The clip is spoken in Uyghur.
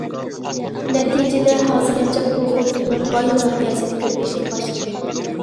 نەتىجىدە ھازىرغىچە بۇ خىل تونۇر باي ناھىيەسىدە كۆپىيىشكە باشلىدى.